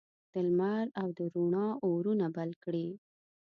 د لمر او د روڼا اورونه بل کړي